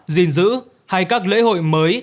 gìn giữ hay các lễ hội mới